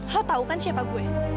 lo tau kan siapa gue